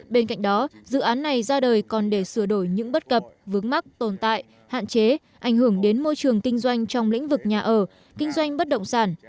bên cạnh đó dự án này ra đời còn để sửa đổi những bất cập vướng mắc tồn tại hạn chế ảnh hưởng đến môi trường kinh doanh trong lĩnh vực nhà ở kinh doanh bất động sản